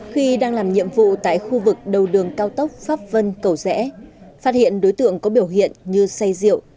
khi đang làm nhiệm vụ tại khu vực đầu đường cao tốc pháp vân cầu rẽ phát hiện đối tượng có biểu hiện như say rượu